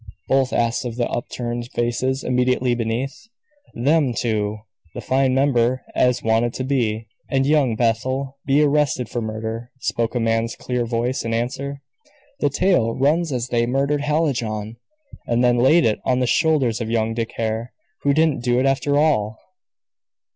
both asked of the upturned faces immediately beneath. "Them two the fine member as wanted to be, and young Bethel be arrested for murder," spoke a man's clear voice in answer. "The tale runs as they murdered Hallijohn, and then laid it on the shoulders of young Dick Hare, who didn't do it after all."